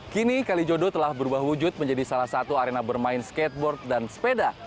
kini kalijodo telah berubah wujud menjadi salah satu arena bermain skateboard dan sepeda